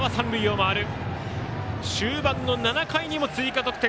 終盤の７回にも追加得点